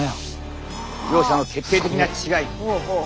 両者の決定的な違い